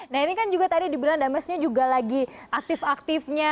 nah ini kan juga tadi dibilang damesnya juga lagi aktif aktifnya